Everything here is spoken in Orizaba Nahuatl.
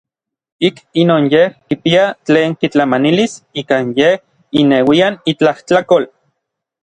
Ik inon yej kipia tlen kitlamanilis ikan yej ineuian itlajtlakol.